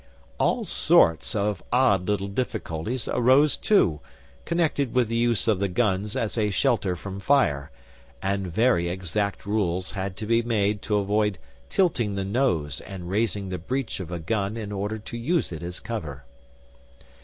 All sorts of odd little difficulties arose too, connected with the use of the guns as a shelter from fire, and very exact rules had to be made to avoid tilting the nose and raising the breech of a gun in order to use it as cover....